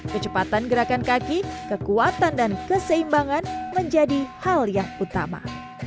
kecepatan gerakan kaki kekuatan dan keseimbangan menjadi hal yang utama